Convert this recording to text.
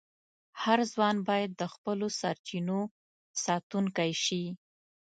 هر ځوان باید د خپلو سرچینو ساتونکی شي.